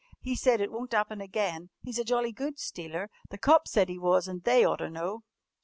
He said it wun't happen again. He's a jolly good stealer. The cops said he was and they oughter know."